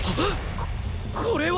ここれは！